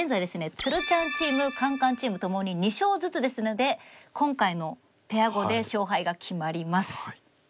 つるちゃんチームカンカンチームともに２勝ずつですので今回のペア碁で勝敗が決まります。